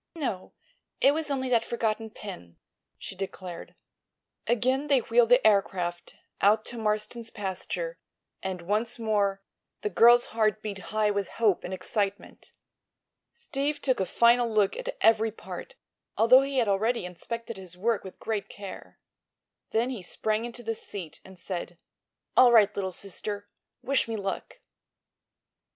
"No; it was only that forgotten pin," she declared. Again they wheeled the aircraft out to Marston's pasture, and once more the girl's heart beat high with hope and excitement. Steve took a final look at every part, although he had already inspected his work with great care. Then he sprang into the seat and said: "All right, little sister. Wish me luck!"